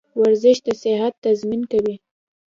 ورزش د صحت تضمین کوي.